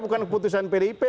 bukan keputusan pdip